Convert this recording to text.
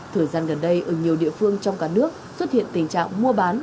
thời gian gần đây ở nhiều địa phương trong cả nước xuất hiện tình trạng mua bán